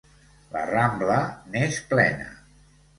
La Rambla n'és plena.